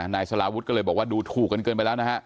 นายสลาวุฒิก็เลยบอกว่าดูถูกกันเกินไปแล้วนะฮะ